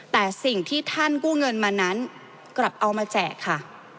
แต่สิ่งที่ท่านกู้เงินมานั้นกลับเอามาแจกค่ะ